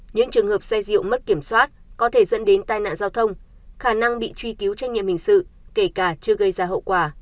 những trường hợp xe rượu mất kiểm soát có thể dẫn đến tai nạn giao thông khả năng bị truy cứu trách nhiệm hình sự kể cả chưa gây ra hậu quả